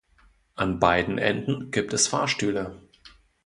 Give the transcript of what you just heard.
An beiden Enden gibt es Fahrstühle.